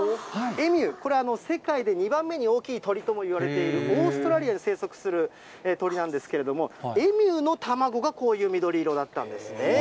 エミュー、これは世界で２番目に大きい鳥ともいわれているオーストラリアで生息する鳥なんですけれども、エミューの卵がこういう緑色だったんですね。